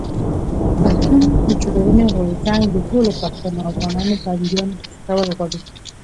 پښتون ژغورني غورځنګ د ټولو پښتنو افغانانو بنديانو خوشي کول غواړي.